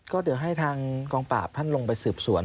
ก็ให้ทางกองปราบท่านลงไปสืบสวน